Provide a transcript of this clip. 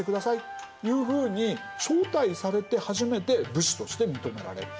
いうふうに招待されて初めて武士として認められる。